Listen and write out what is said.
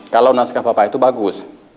kalau naskah papa itu bagus